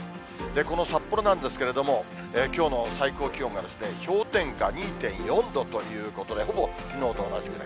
この札幌なんですけれども、きょうの最高気温が氷点下２．４度ということで、ほぼきのうと同じぐらい。